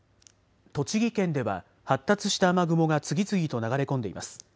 栃木県では発達した雨雲が次々と流れ込んでいます。